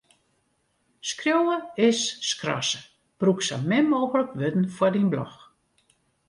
Skriuwe is skrasse: brûk sa min mooglik wurden foar dyn blog.